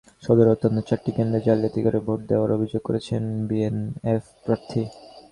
সদরের অন্তত চারটি কেন্দ্রে জালিয়াতি করে ভোট দেওয়ার অভিযোগ করেছেন বিএনএফ প্রার্থী।